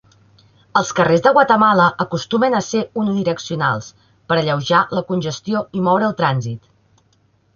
Els carrers de Guatemala acostumen a ser unidireccionals per alleujar la congestió i moure el trànsit.